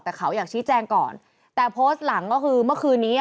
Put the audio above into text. แต่เขาอยากชี้แจงก่อนแต่โพสต์หลังก็คือเมื่อคืนนี้อ่ะ